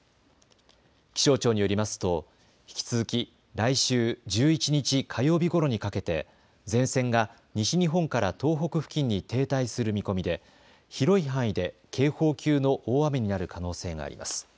気象庁によりますと引き続き来週１１日火曜日ごろにかけて前線が西日本から東北付近に停滞する見込みで広い範囲で警報級の大雨になる可能性があります。